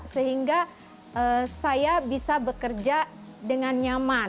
sehingga saya bisa bekerja dengan nyaman